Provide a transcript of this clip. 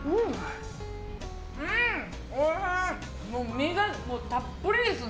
身がたっぷりですね。